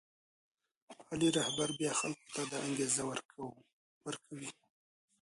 عالي رهبر بیا خلکو ته دا انګېزه ورکوي.